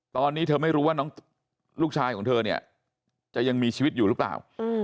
ตอนนี้เธอไม่รู้ว่าลูกชายของเธอเนี่ยจะยังมีชีวิตอยู่หรือเปล่า